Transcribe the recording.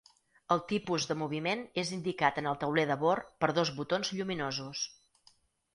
El tipus de moviment és indicat en el tauler de bord per dos botons lluminosos.